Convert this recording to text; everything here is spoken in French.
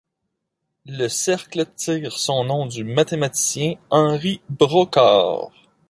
Le cercle tire son nom du mathématicien Henri Brocard.